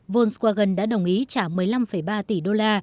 volkswagen đã đồng ý trả một mươi năm ba tỷ usd